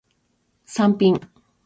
サンピン